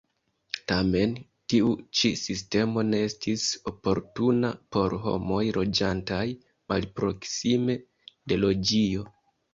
Tamen tiu ĉi sistemo ne estis oportuna por homoj loĝantaj malproksime de loĝio.